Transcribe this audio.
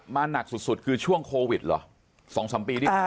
มาหนักสุดช่วงโควิดหรอ